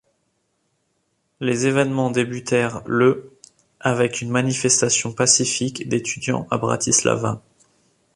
Les événements débutèrent le avec une manifestation pacifique d’étudiants à Bratislava.